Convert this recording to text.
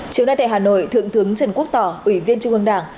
chiều nay tại hà nội thượng tướng trần quốc tỏ ủy viên trung ương đảng